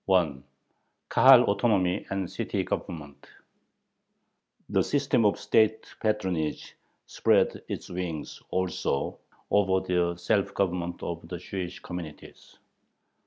KAHAL AUTONOMY AND CITY GOVERNMENT The system of state patronage spread its wings also over the self government of the Jewish communities.